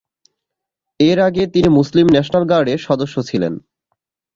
এর আগে তিনি মুসলিম ন্যাশনাল গার্ডের সদস্য ছিলেন।